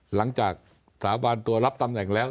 หลังจากสาบานตัวรับตำแหน่งแล้ว